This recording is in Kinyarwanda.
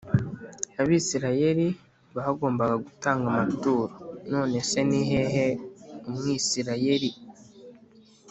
Abisirayeli bagombaga gutanga amaturo None se ni hehe Umwisirayeli